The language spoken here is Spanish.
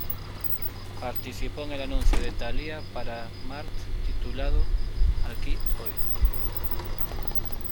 Participó en el anuncio de Thalía para Kmart titulado "Aquí, hoy.